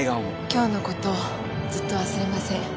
今日のことずっと忘れません。